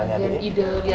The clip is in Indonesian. dan ida lihat sampai si kaki